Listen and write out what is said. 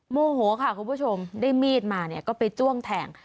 โมโหค่ะคุณผู้ชมได้มีดมาเนี่ยก็ไปจ้วงแทง